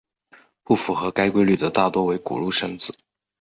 不符合该规律的大多为古入声字。